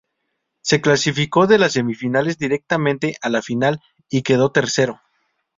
Se clasificó de las semifinales directamente a la final, y quedó tercero.